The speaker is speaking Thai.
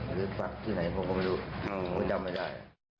ก็ทำไม่ได้